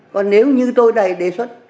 còn nếu như tôi này đề xuất